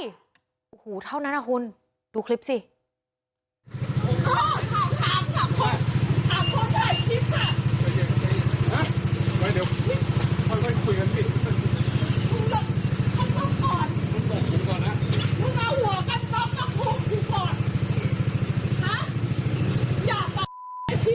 โอ้โหเท่านั้นนะคุณดูคลิปสิ